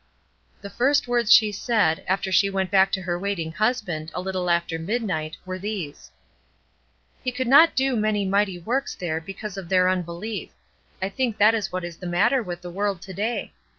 The first words she said, after she went back to her waiting husband, a little after midnight, were these: "He could not do many mighty works there because of their unbelief. I think that is what is the matter with the world to day.